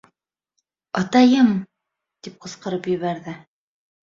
— Атайым! — тип ҡысҡырып ебәрҙе.